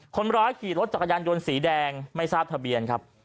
คนร้ายขี่รถจักรยานยนต์สีแดงไม่ทราบทะเบียนครับ